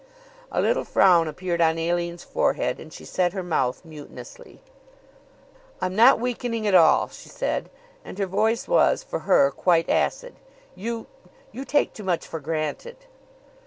A little frown appeared on Aline's forehead and she set her mouth mutinously. "I'm not weakening at all," she said, and her voice was for her quite acid. "You you take too much for granted."